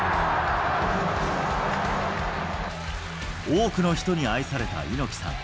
多くの人に愛された猪木さん。